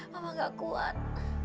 mama gak kuat